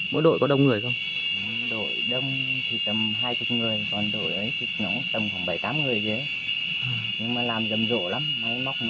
mỗi đội có đồng nhiên